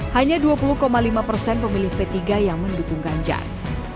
hanya dua puluh lima persen pemilih p tiga yang mendukung ganjar